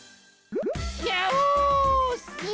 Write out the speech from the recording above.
ギャオス！